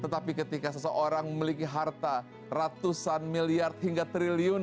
tetapi ketika seseorang memiliki harta ratusan miliar hingga triliun